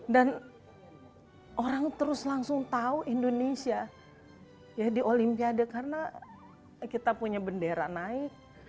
dan orang terus langsung tahu indonesia ya di olimpiade karena kita punya bendera naik